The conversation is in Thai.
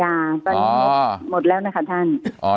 ตอนนี้หมดแล้วนะคะท่าน